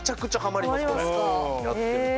これやってると。